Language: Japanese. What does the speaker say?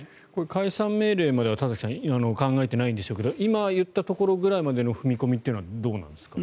解散命令までは考えていないんでしょうけど今言ったところぐらいまでの踏み込みというのはどうなんですか？